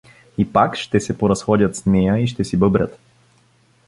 И пак ще се поразходят с нея и ще си бъбрят.